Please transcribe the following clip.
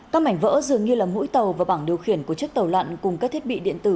các mảnh vỡ dường như là mũi tàu và bảng điều khiển của chiếc tàu lặn cùng các thiết bị điện tử